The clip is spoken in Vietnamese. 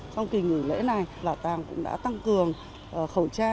trong kỳ nghỉ lễ này bảo tàng cũng đã tăng cường khẩu trang